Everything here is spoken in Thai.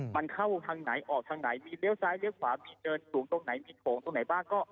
มันเข้าทางไหนออกทางไหนมีเลี้ยซ้ายเลี้ยวขวามีเดินสูงตรงไหนมีโถงตรงไหนบ้าง